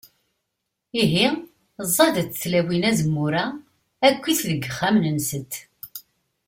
Ihi, ẓẓadent tlawin azemmur-a akkit deg yixxamen-nsent.